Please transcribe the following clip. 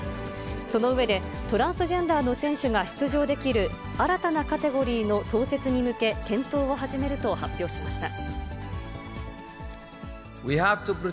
その上で、トランスジェンダーの選手が出場できる新たなカテゴリーの創設に向け、検討を始めると発表しました。